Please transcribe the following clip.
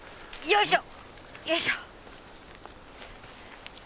よいしょ。